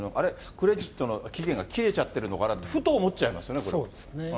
クレジットの期限が切れちゃってるのかなって、ふと思っちゃいまそうですね。